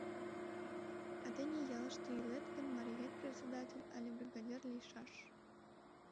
А тений ялыште илет гын, мариет председатель але бригадир лийшаш.